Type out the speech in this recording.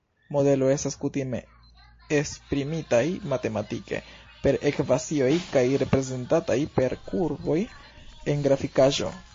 Modelo estas kutime esprimitaj matematike, per ekvacioj, kaj reprezentataj per kurboj en grafikaĵo.